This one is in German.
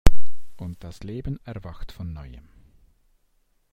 Und das Leben erwacht vom Neuen.